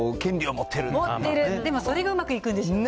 持ってる、でもそれがうまくいくんでしょうね。